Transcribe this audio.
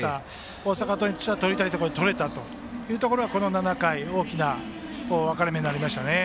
大阪桐蔭としては取りたいところで取れたというところがこの７回、大きな分かれ目でした。